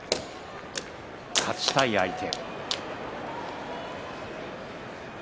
勝ちたい相手。